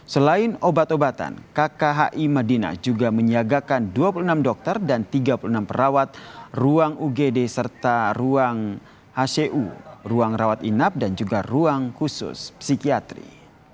selain obat obatan kkhi madinah juga menyiagakan dua puluh enam dokter dan tiga puluh enam perawat ruang ugd serta ruang hcu ruang rawat inap dan juga ruang khusus psikiatri